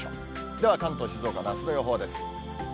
では関東、静岡、あすの予報です。